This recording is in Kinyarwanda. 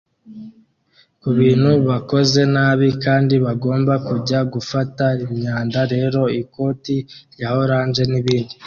kubintu bakoze nabi kandi bagomba kujya gufata imyanda rero ikoti rya orange nibindi